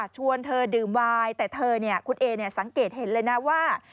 ชวนเธอดื่มวายแต่เธอเนี่ยคุณเอสังเกตเห็นเลยนะว่า